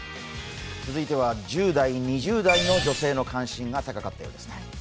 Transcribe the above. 続いては１０代、２０代の女性の関心が高かったようです。